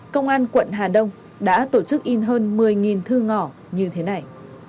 công an quận hà đông đã tổ chức in hơn một mươi thư ngỏ như thế này